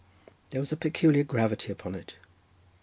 There was a peculiar gravity upon it.